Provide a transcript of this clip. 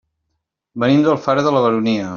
Venim d'Alfara de la Baronia.